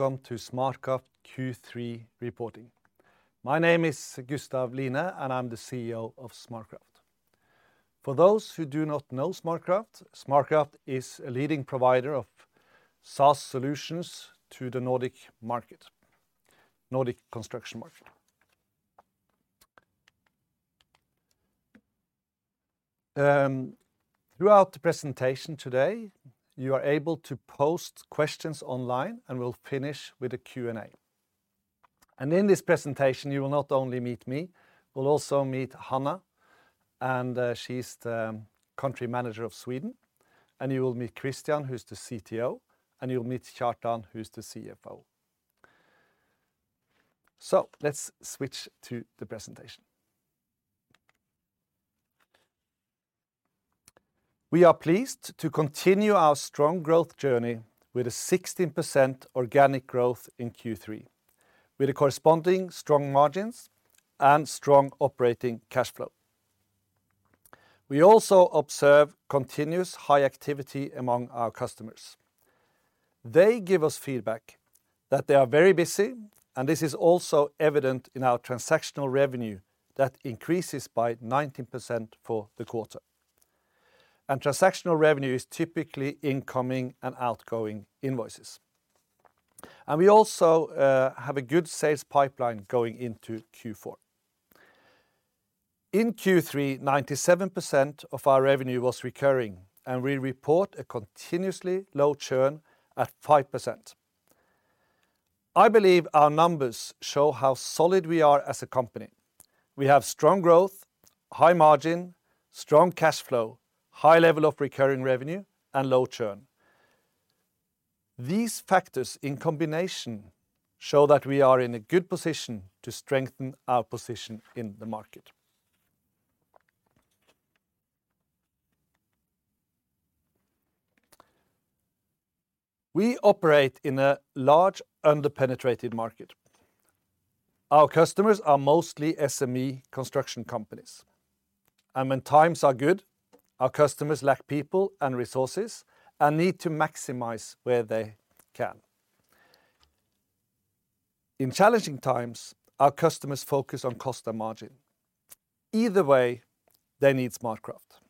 Welcome to SmartCraft Q3 Reporting. My name is Gustav Line, and I'm the CEO of SmartCraft. For those who do not know SmartCraft is a leading provider of SaaS solutions to the Nordic market, Nordic construction market. Throughout the presentation today, you are able to post questions online, and we'll finish with a Q&A. In this presentation, you will not only meet me, we'll also meet Hanna, and she's the Country Manager of Sweden, and you will meet Christian, who's the CTO, and you'll Kjartan, who's the CFO. Let's switch to the presentation. We are pleased to continue our strong growth journey with a 16% organic growth in Q3, with the corresponding strong margins and strong operating cash flow. We also observe continuous high activity among our customers. They give us feedback that they are very busy, and this is also evident in our transactional revenue that increases by 19% for the quarter. Transactional revenue is typically incoming and outgoing invoices. We also have a good sales pipeline going into Q4. In Q3, 97% of our revenue was recurring, and we report a continuously low churn at 5%. I believe our numbers show how solid we are as a company. We have strong growth, high margin, strong cash flow, high level of recurring revenue, and low churn. These factors in combination show that we are in a good position to strengthen our position in the market. We operate in a large under-penetrated market. Our customers are mostly SME construction companies. When times are good, our customers lack people and resources and need to maximize where they can. In challenging times, our customers focus on cost and margin. Either way, they need SmartCraft.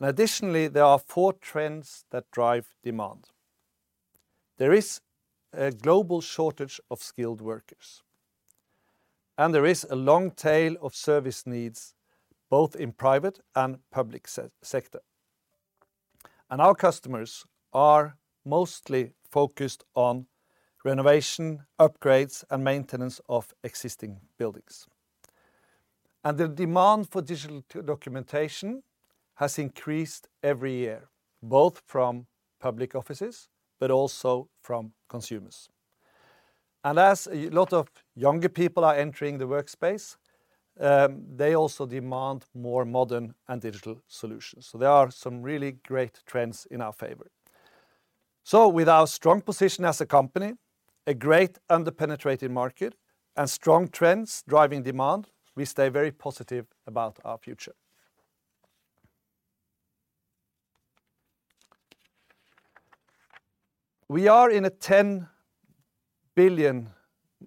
Additionally, there are four trends that drive demand. There is a global shortage of skilled workers, and there is a long tail of service needs, both in private and public sector. Our customers are mostly focused on renovation, upgrades, and maintenance of existing buildings. The demand for digital documentation has increased every year, both from public offices, but also from consumers. As a lot of younger people are entering the workspace, they also demand more modern and digital solutions. There are some really great trends in our favor. With our strong position as a company, a great under-penetrated market, and strong trends driving demand, we stay very positive about our future. We are in a 10 billion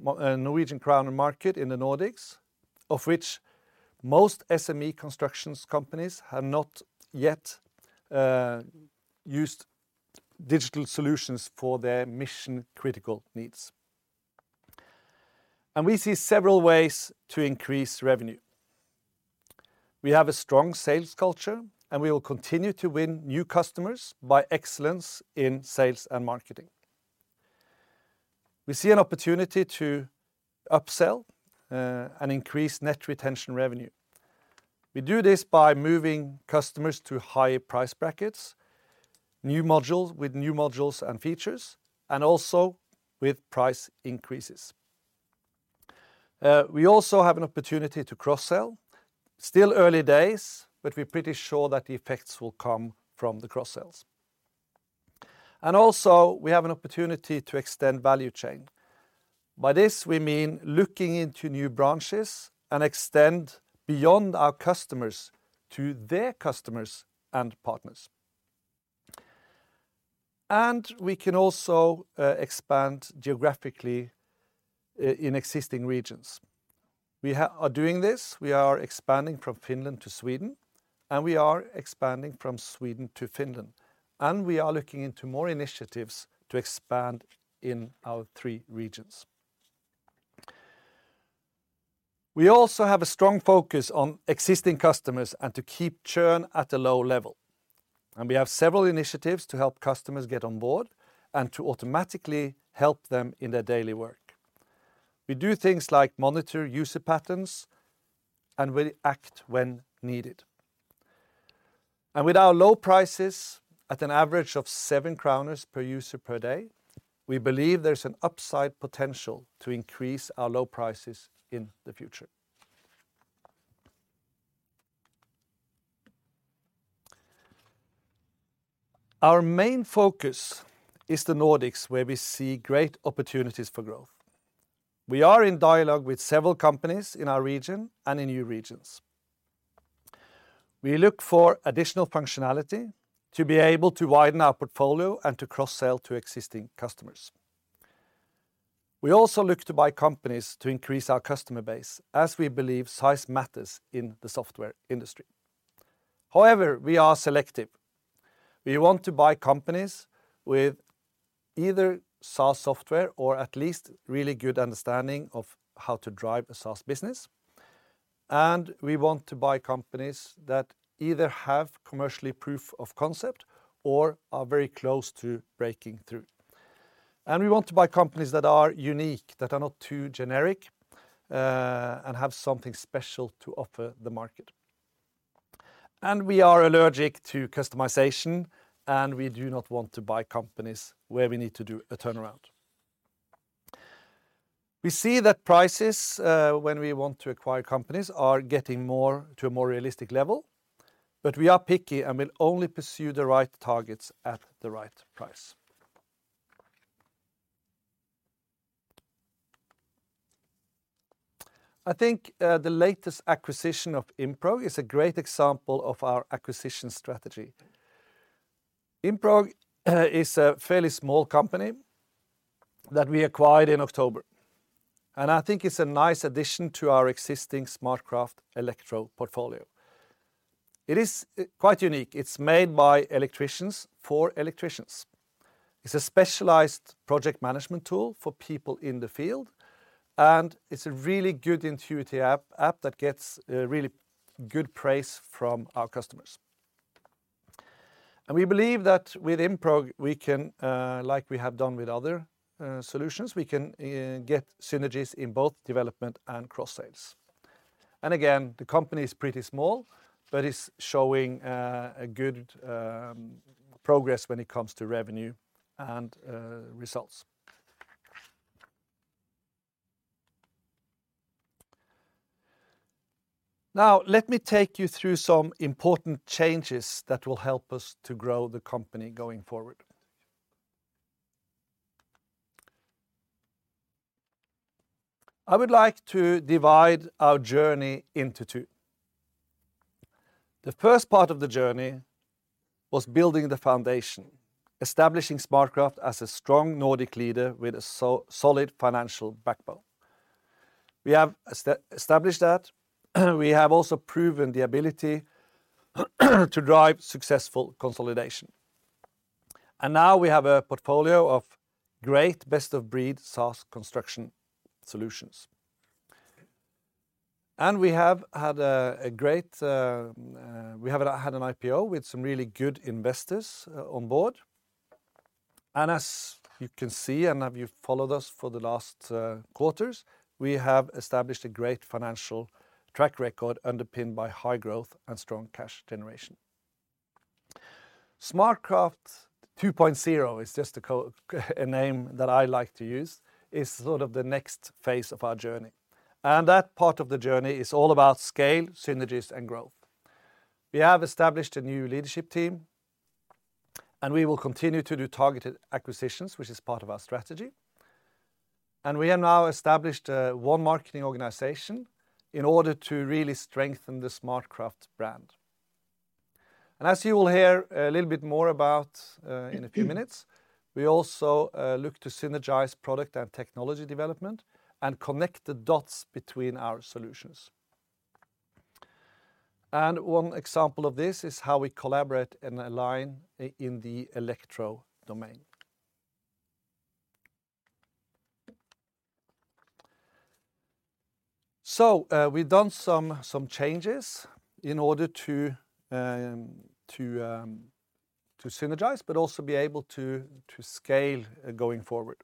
Norwegian crown market in the Nordics, of which most SME construction companies have not yet used digital solutions for their mission-critical needs. We see several ways to increase revenue. We have a strong sales culture, and we will continue to win new customers by excellence in sales and marketing. We see an opportunity to upsell and increase Net Retention Revenue. We do this by moving customers to higher price brackets, new modules and features, and also with price increases. We also have an opportunity to cross-sell. Still early days, but we're pretty sure that the effects will come from the cross-sells. We also have an opportunity to extend value chain. By this, we mean looking into new branches and extend beyond our customers to their customers and partners. We can also expand geographically in existing regions. We are doing this. We are expanding from Finland to Sweden, and we are expanding from Sweden to Finland, and we are looking into more initiatives to expand in our three regions. We also have a strong focus on existing customers and to keep churn at a low level, and we have several initiatives to help customers get on board and to automatically help them in their daily work. We do things like monitor user patterns, and we act when needed. With our low prices, at an average of 7 per user per day, we believe there's an upside potential to increase our low prices in the future. Our main focus is the Nordics, where we see great opportunities for growth. We are in dialogue with several companies in our region and in new regions. We look for additional functionality to be able to widen our portfolio and to cross-sell to existing customers. We also look to buy companies to increase our customer base as we believe size matters in the software industry. However, we are selective. We want to buy companies with either SaaS software or at least really good understanding of how to drive a SaaS business, and we want to buy companies that either have commercially proof of concept or are very close to breaking through. We want to buy companies that are unique, that are not too generic, and have something special to offer the market. We are allergic to customization, and we do not want to buy companies where we need to do a turnaround. We see that prices when we want to acquire companies are getting to a more realistic level, but we are picky and will only pursue the right targets at the right price. I think the latest acquisition of InProg is a great example of our acquisition strategy. InProg is a fairly small company that we acquired in October, and I think it's a nice addition to our existing SmartCraft electro portfolio. It is quite unique. It's made by electricians for electricians. It's a specialized project management tool for people in the field, and it's a really good intuitive app that gets really good praise from our customers. We believe that with InProg, like we have done with other solutions, we can get synergies in both development and cross-sales. Again, the company is pretty small but is showing a good progress when it comes to revenue and results. Now, let me take you through some important changes that will help us to grow the company going forward. I would like to divide our journey into two. The 1st part of the journey was building the foundation, establishing SmartCraft as a strong Nordic leader with a solid financial backbone. We have established that. We have also proven the ability to drive successful consolidation. Now we have a portfolio of great best-of-breed SaaS construction solutions. We have had an IPO with some really good investors on board. As you can see, if you've followed us for the last quarters, we have established a great financial track record underpinned by high growth and strong cash generation. SmartCraft 2.0 is just a name that I like to use, is sort of the next phase of our journey, and that part of the journey is all about scale, synergies, and growth. We have established a new leadership team, and we will continue to do targeted acquisitions, which is part of our strategy. We have now established one marketing organization in order to really strengthen the SmartCraft brand. As you will hear a little bit more about in a few minutes, we also look to synergize product and technology development and connect the dots between our solutions. One example of this is how we collaborate and align in the electro domain. We've done some changes in order to synergize but also be able to scale going forward.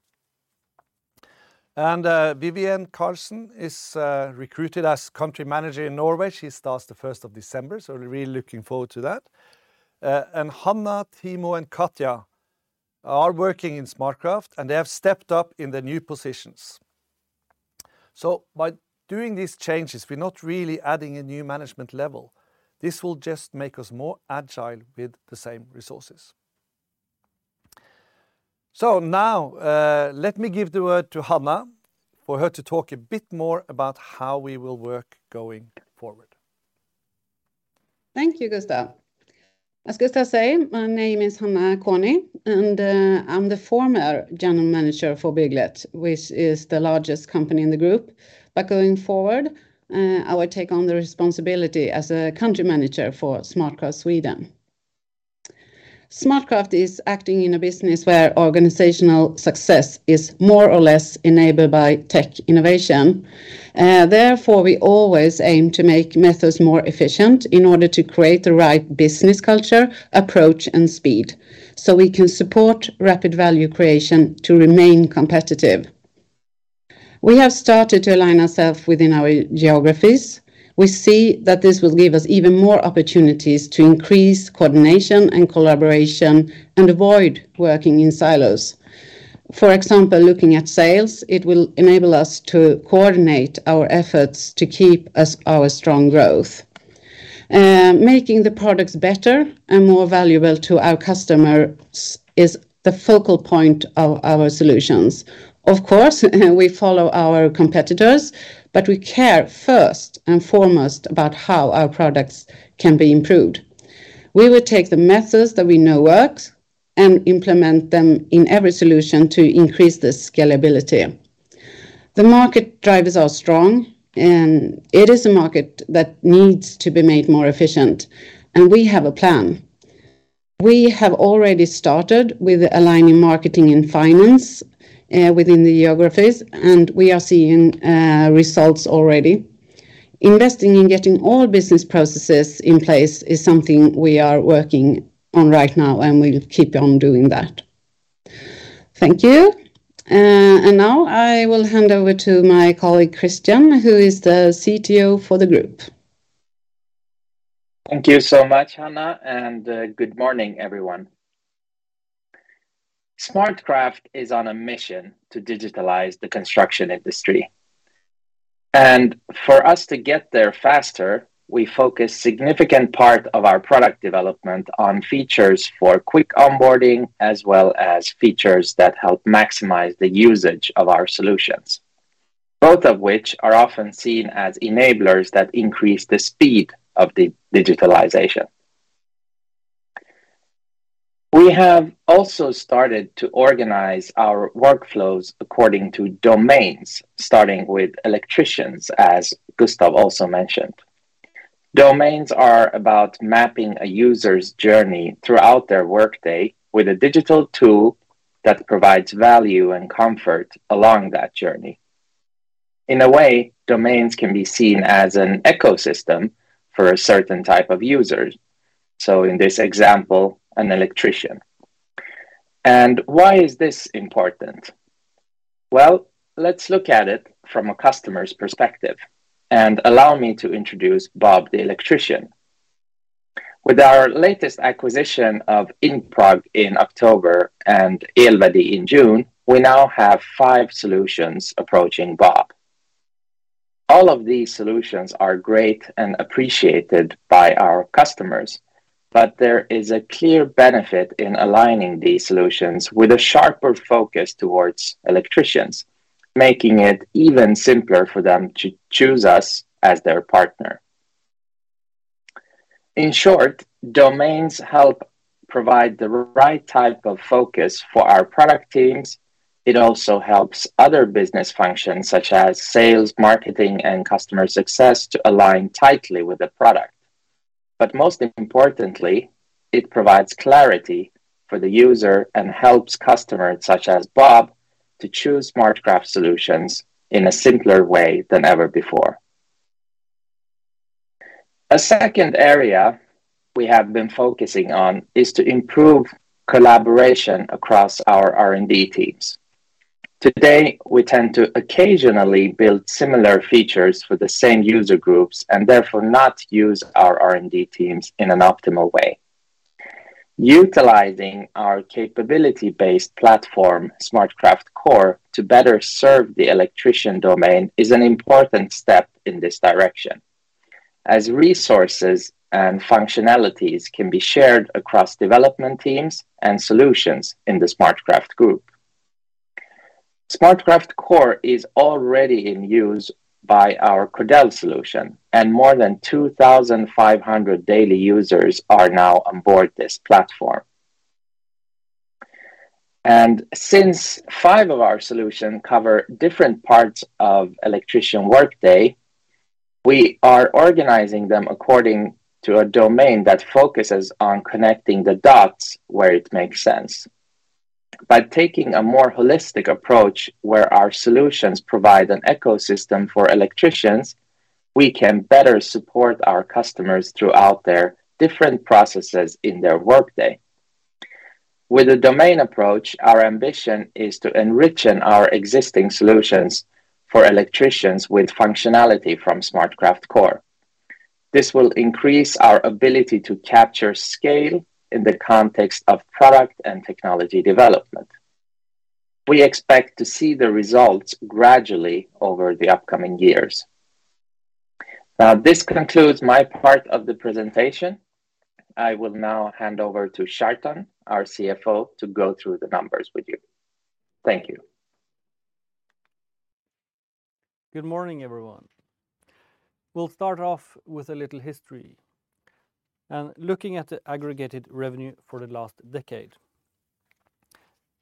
Vivienne Karlsen is recruited as Country Manager in Norway. She starts the 1st of December. We're really looking forward to that. Hanna, Timo, and Katja are working in SmartCraft, and they have stepped up in their new positions. By doing these changes, we're not really adding a new management level. This will just make us more agile with the same resources. Now, let me give the word to Hanna for her to talk a bit more about how we will work going forward. Thank you, Gustav. As Gustav said, my name is Hanna Konyi, and I'm the former General Manager for Bygglet, which is the largest company in the group. Going forward, I will take on the responsibility as a Country Manager for SmartCraft Sweden. SmartCraft is acting in a business where organizational success is more or less enabled by tech innovation. Therefore, we always aim to make methods more efficient in order to create the right business culture, approach, and speed, so we can support rapid value creation to remain competitive. We have started to align ourselves within our geographies. We see that this will give us even more opportunities to increase coordination and collaboration and avoid working in silos. For example, looking at sales, it will enable us to coordinate our efforts to keep up our strong growth. Making the products better and more valuable to our customers is the focal point of our solutions. Of course, we follow our competitors, but we care 1st and foremost about how our products can be improved. We will take the methods that we know works and implement them in every solution to increase the scalability. The market drivers are strong, and it is a market that needs to be made more efficient, and we have a plan. We have already started with aligning marketing and finance within the geographies, and we are seeing results already. Investing in getting all business processes in place is something we are working on right now, and we'll keep on doing that. Thank you. Now I will hand over to my colleague Christian, who is the CTO for the group. Thank you so much, Hanna, and good morning, everyone. SmartCraft is on a mission to digitalize the construction industry. For us to get there faster, we focus significant part of our product development on features for quick onboarding, as well as features that help maximize the usage of our solutions, both of which are often seen as enablers that increase the speed of the digitalization. We have also started to organize our workflows according to domains, starting with electricians, as Gustav also mentioned. Domains are about mapping a user's journey throughout their workday with a digital tool that provides value and comfort along that journey. In a way, domains can be seen as an ecosystem for a certain type of user, so in this example, an electrician. Why is this important? Well, let's look at it from a customer's perspective, and allow me to introduce Bob, the electrician. With our latest acquisition of InProg in October and Elverdi in June, we now have five solutions approaching Bob. All of these solutions are great and appreciated by our customers, but there is a clear benefit in aligning these solutions with a sharper focus towards electricians, making it even simpler for them to choose us as their partner. In short, domains help provide the right type of focus for our product teams. It also helps other business functions such as sales, marketing, and customer success to align tightly with the product. Most importantly, it provides clarity for the user and helps customers such as Bob to choose SmartCraft solutions in a simpler way than ever before. A 2nd area we have been focusing on is to improve collaboration across our R&D teams. Today, we tend to occasionally build similar features for the same user groups and therefore not use our R&D teams in an optimal way. Utilizing our capability-based platform, SmartCraft Core, to better serve the electrician domain is an important step in this direction, as resources and functionalities can be shared across development teams and solutions in the SmartCraft group. SmartCraft Core is already in use by our Cordel solution, and more than 2,500 daily users are now on board this platform. Since five of our solutions cover different parts of electrician workday, we are organizing them according to a domain that focuses on connecting the dots where it makes sense. By taking a more holistic approach where our solutions provide an ecosystem for electricians, we can better support our customers throughout their different processes in their workday. With the domain approach, our ambition is to enrich our existing solutions for electricians with functionality from SmartCraft Core. This will increase our ability to capture scale in the context of product and technology development. We expect to see the results gradually over the upcoming years. Now, this concludes my part of the presentation. I will now hand over Kjartan, our CFO, to go through the numbers with you. Thank you. Good morning, everyone. We'll start off with a little history and looking at the aggregated revenue for the last decade.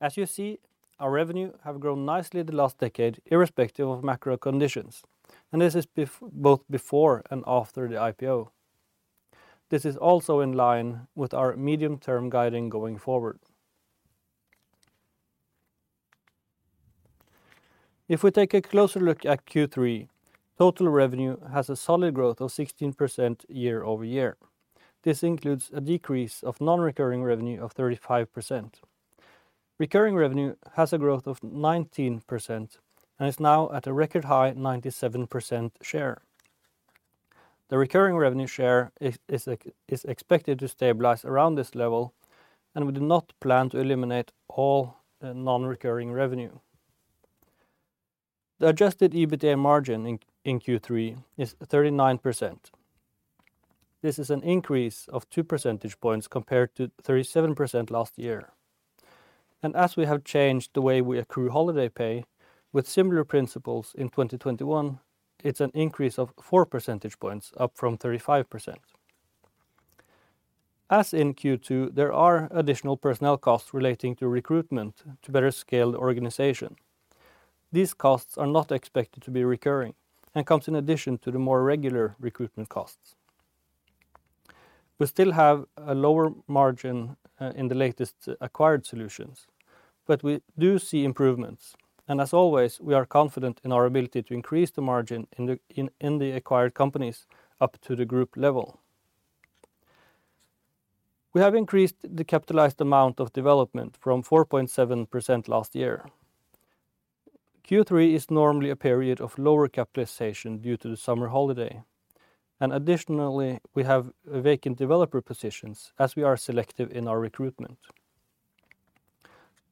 As you see, our revenue have grown nicely the last decade irrespective of macro conditions, and this is both before and after the IPO. This is also in line with our medium-term guiding going forward. If we take a closer look at Q3, total revenue has a solid growth of 16% year-over-year. This includes a decrease of non-recurring revenue of 35%. Recurring revenue has a growth of 19% and is now at a record high 97% share. The recurring revenue share is expected to stabilize around this level, and we do not plan to eliminate all the non-recurring revenue. The adjusted EBITDA margin in Q3 is 39%. This is an increase of two percentage points compared to 37% last year. As we have changed the way we accrue holiday pay, with similar principles in 2021, it's an increase of four percentage points, up from 35%. As in Q2, there are additional personnel costs relating to recruitment to better scale the organization. These costs are not expected to be recurring and comes in addition to the more regular recruitment costs. We still have a lower margin in the latest acquired solutions, but we do see improvements. As always, we are confident in our ability to increase the margin in the acquired companies up to the group level. We have increased the capitalized amount of development from 4.7% last year. Q3 is normally a period of lower capitalization due to the summer holiday. Additionally, we have vacant developer positions as we are selective in our recruitment.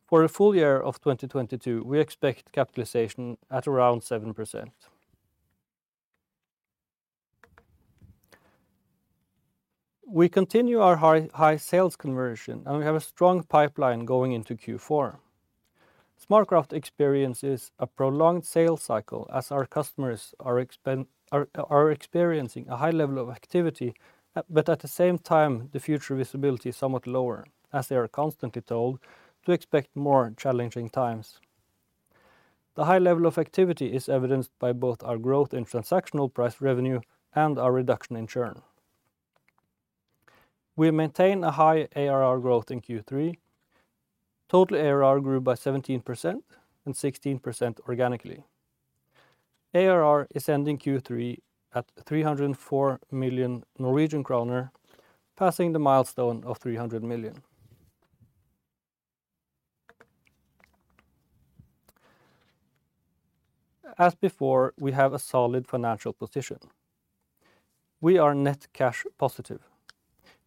For a full year of 2022, we expect capitalization at around 7%. We continue our high sales conversion, and we have a strong pipeline going into Q4. SmartCraft experiences a prolonged sales cycle as our customers are experiencing a high level of activity, but at the same time, the future visibility is somewhat lower, as they are constantly told to expect more challenging times. The high level of activity is evidenced by both our growth in transactional price revenue and our reduction in churn. We maintain a high ARR growth in Q3. Total ARR grew by 17% and 16% organically. ARR is ending Q3 at 304 million Norwegian kroner, passing the milestone of 300 million. As before, we have a solid financial position. We are net cash positive.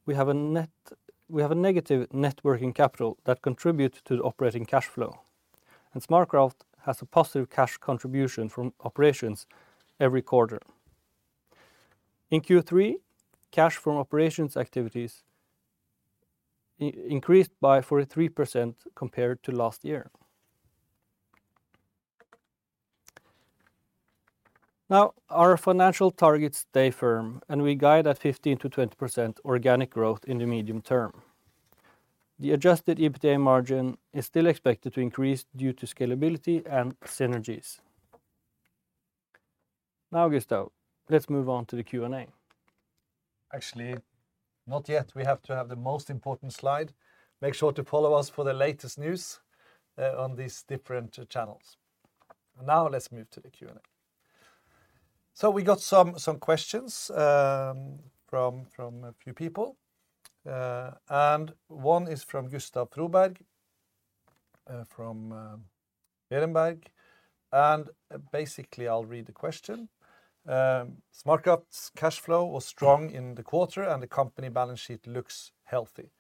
We have a negative net working capital that contributes to the operating cash flow. SmartCraft has a positive cash contribution from operations every quarter. In Q3, cash from operations activities increased by 43% compared to last year. Now, our financial targets stay firm and we guide at 15%-20% organic growth in the medium term. The adjusted EBITDA margin is still expected to increase due to scalability and synergies. Now, Gustav, let's move on to the Q&A. Actually, not yet. We have to have the most important slide. Make sure to follow us for the latest news on these different channels. Now let's move to the Q&A. We got some questions from a few people. One is from Gustav Froberg from Berenberg. Basically, I'll read the question. SmartCraft's cash flow was strong in the quarter, and the company balance sheet looks healthy.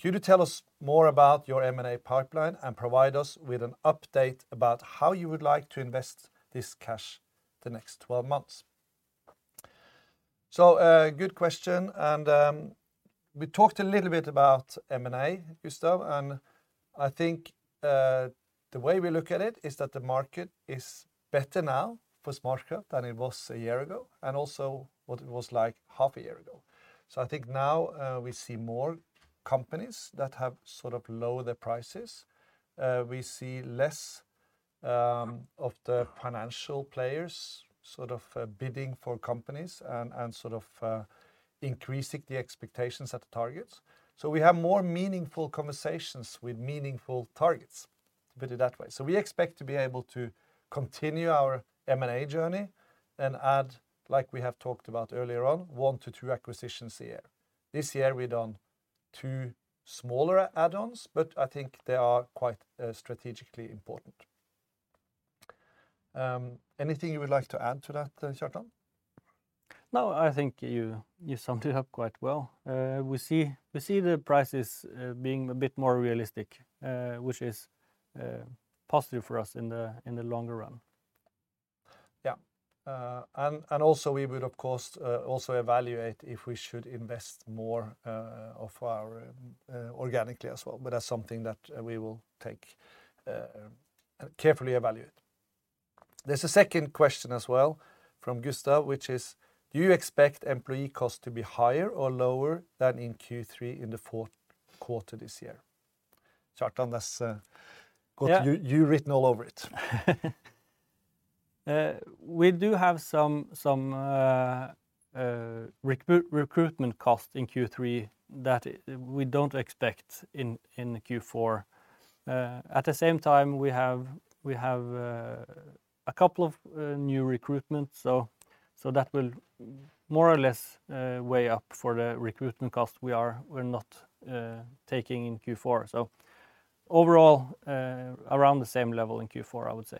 Could you tell us more about your M&A pipeline and provide us with an update about how you would like to invest this cash the next 12 months? Good question. We talked a little bit about M&A, Gustav, and I think the way we look at it is that the market is better now for SmartCraft than it was a year ago, and also what it was like half a year ago. I think now we see more companies that have sort of lowered their prices. We see less of the financial players sort of bidding for companies and sort of increasing the expectations at the targets. We have more meaningful conversations with meaningful targets. Put it that way. We expect to be able to continue our M&A journey and add, like we have talked about earlier on, one to two acquisitions a year. This year, we've done two smaller add-ons, but I think they are quite strategically important. Anything you would like to add to that, Kjartan? No, I think you summed it up quite well. We see the prices being a bit more realistic, which is positive for us in the longer run. Yeah. We would, of course, also evaluate if we should invest more organically as well, but that's something that we will carefully evaluate. There's a 2nd question as well from Gustav, which is, "Do you expect employee costs to be higher or lower than in Q3 in the 4th quarter this year?" Kjartan, that's Yeah Got you written all over it. We do have some recruitment costs in Q3 that we don't expect in Q4. At the same time, we have a couple of new recruitment, so that will more or less weigh up for the recruitment cost we're not taking in Q4. Overall, around the same level in Q4, I would say.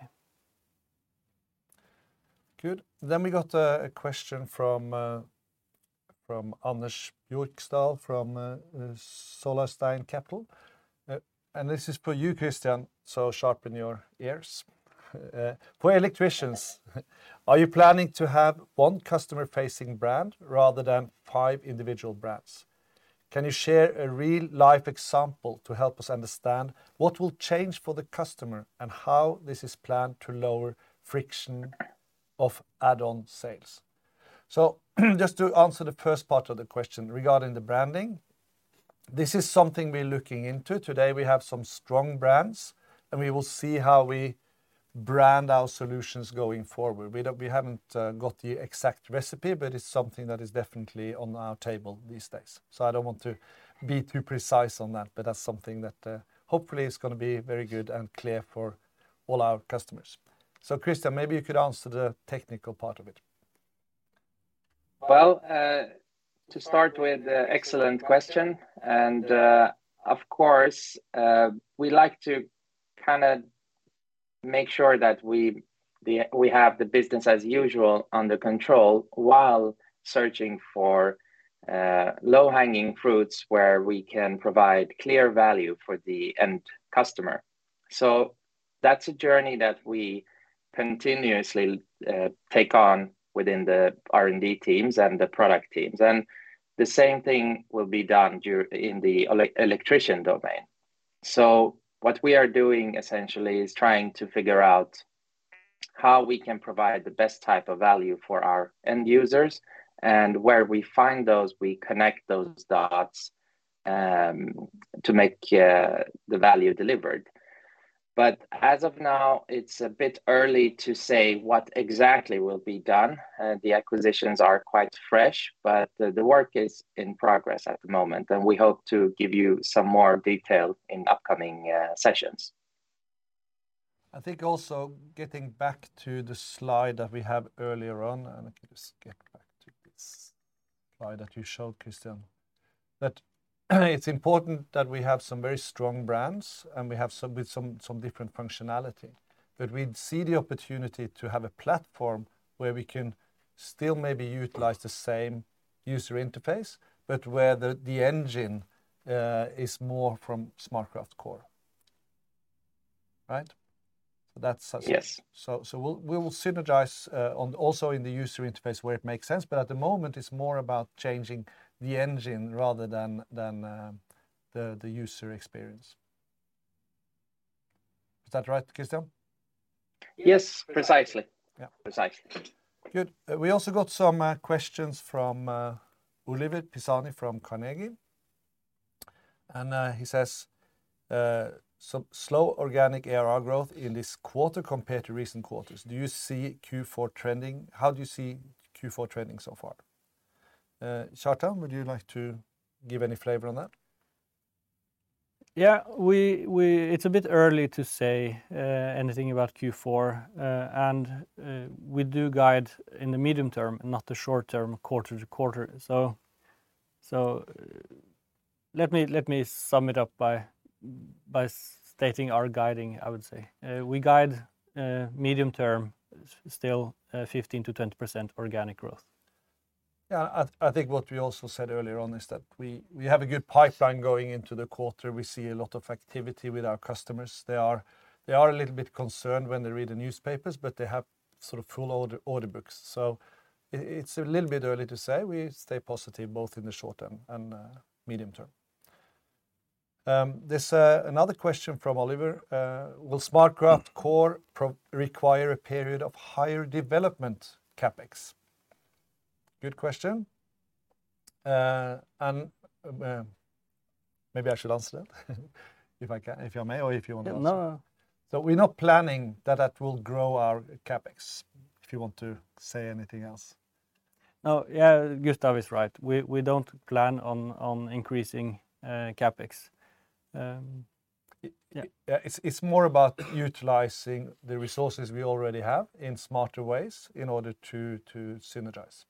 Good. We got a question from Anders Bjørkstal from Solarstein Capital. And this is for you, Christian, so sharpen your ears. For electricians, are you planning to have one customer-facing brand rather than five individual brands? Can you share a real-life example to help us understand what will change for the customer and how this is planned to lower friction of add-on sales? Just to answer the 1st part of the question regarding the branding. This is something we're looking into. Today we have some strong brands, and we will see how we brand our solutions going forward. We haven't got the exact recipe, but it's something that is definitely on our table these days. I don't want to be too precise on that, but that's something that, hopefully is gonna be very good and clear for all our customers. Christian, maybe you could answer the technical part of it. Well, to start with, excellent question, of course, we like to kinda make sure that we have the business as usual under control while searching for low-hanging fruits where we can provide clear value for the end customer. That's a journey that we continuously take on within the R&D teams and the product teams. The same thing will be done in the electrician domain. What we are doing essentially is trying to figure out how we can provide the best type of value for our end users and where we find those, we connect those dots to make the value delivered. As of now, it's a bit early to say what exactly will be done. The acquisitions are quite fresh, but the work is in progress at the moment, and we hope to give you some more detail in upcoming sessions. I think also getting back to the slide that we have earlier on, and if you just get back to this slide that you showed, Christian, that it's important that we have some very strong brands, and we have some with different functionality. But we'd see the opportunity to have a platform where we can still maybe utilize the same user interface, but where the engine is more from SmartCraft Core. Right? That's such- Yes. We will synergize on also in the user interface where it makes sense, but at the moment it's more about changing the engine rather than the user experience. Is that right, Christian? Yes. Precisely. Yeah. Precisely. Good. We also got some questions from Oliver Pisani from Carnegie. He says, "Some slow organic ARR growth in this quarter compared to recent quarters. Do you see Q4 trending? How do you see Q4 trending so far?" Kjartan, would you like to give any flavor on that? Yeah. It's a bit early to say anything about Q4. We do guide in the medium term, not the short term, quarter to quarter. Let me sum it up by stating our guidance, I would say. We guide medium term still 15%-20% organic growth. Yeah. I think what we also said earlier on is that we have a good pipeline going into the quarter. We see a lot of activity with our customers. They are a little bit concerned when they read the newspapers, but they have sort of full order books. It's a little bit early to say. We stay positive both in the short term and medium term. There's another question from Oliver. Will SmartCraft Core require a period of higher development CapEx? Good question. Maybe I should answer that if I can, if you may or if you want to answer. No. We're not planning that will grow our CapEx. If you want to say anything else. No. Yeah, Gustav is right. We don't plan on increasing CapEx. Yeah. Yeah, it's more about utilizing the resources we already have in smarter ways in order to synergize.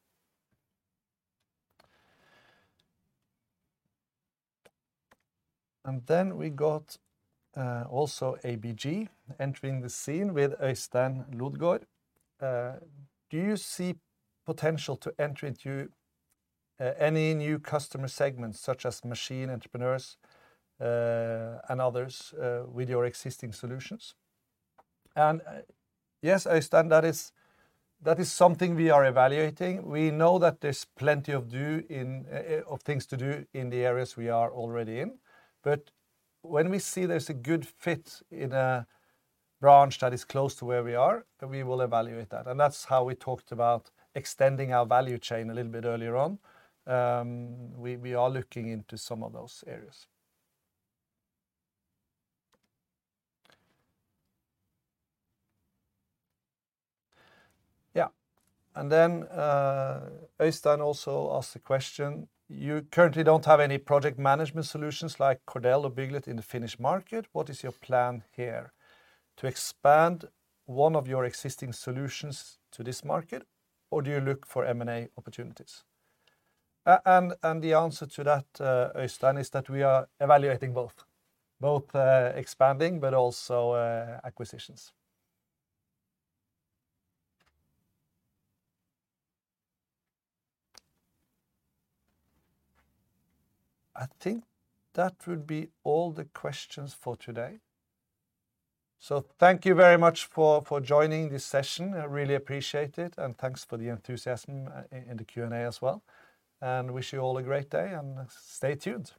We got also ABG entering the scene with Øystein Elton Lodgaard. Do you see potential to enter into any new customer segments, such as machine entrepreneurs and others, with your existing solutions? Yes, Øystein, that is something we are evaluating. We know that there's plenty of things to do in the areas we are already in. When we see there's a good fit in a branch that is close to where we are, we will evaluate that. That's how we talked about extending our value chain a little bit earlier on. We are looking into some of those areas. Yeah. Øystein also asked a question. You currently don't have any project management solutions like Cordel or Bygglet in the Finnish market. What is your plan here? To expand one of your existing solutions to this market, or do you look for M&A opportunities? And the answer to that, Øystein, is that we are evaluating both. Both expanding, but also acquisitions. I think that would be all the questions for today. So thank you very much for joining this session. I really appreciate it, and thanks for the enthusiasm in the Q&A as well. Wish you all a great day, and stay tuned.